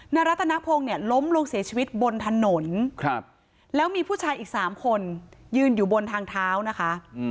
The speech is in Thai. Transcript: รัฐนพงศ์เนี่ยล้มลงเสียชีวิตบนถนนแล้วมีผู้ชายอีก๓คนยืนอยู่บนทางเท้านะคะ